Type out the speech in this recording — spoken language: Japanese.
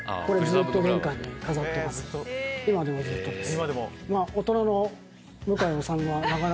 今でもずっとです。